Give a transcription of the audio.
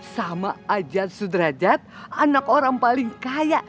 sama ajat sudrajat anak orang paling kaya